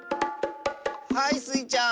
はいスイちゃん！